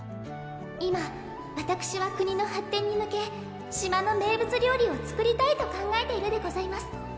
今わたくしは国の発展に向け島の名物料理を作りたいと考えているでございます